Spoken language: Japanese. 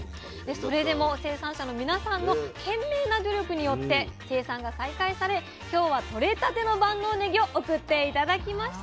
それでも生産者の皆さんの懸命な努力によって生産が再開され今日は取れたての万能ねぎを送って頂きました。